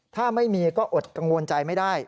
ถ้าไม่มีก็อดกังวลใจไม่ได้